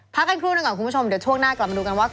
กันครู่หนึ่งก่อนคุณผู้ชมเดี๋ยวช่วงหน้ากลับมาดูกันว่า